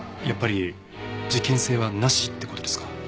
やっぱり事件性はなしって事ですか？